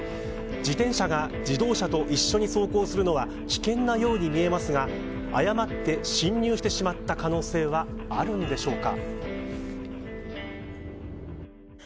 自転車が自動車と一緒に走行するのは危険なように見えますが誤って侵入してしまった可能性はあるんでしょうか。